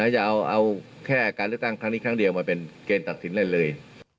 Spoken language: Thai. อย่าเอาแค่การเลือกตั้งครั้งนี้ครั้งเดียวมาเป็นเกณฑ์ตัดสินอะไรเลย